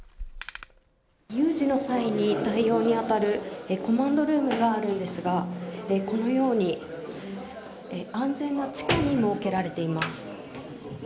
有事の際に対応に当たるコマンドルームがあるんですがこのように安全な地下に設けられています。